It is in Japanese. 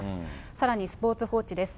さらにスポーツ報知です。